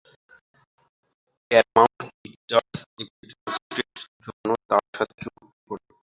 Paramount Pictures একটি চলচ্চিত্রের জন্য তার সাথে চুক্তি করে।